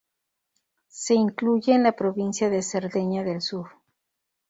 Se incluye en la provincia de Cerdeña del Sur.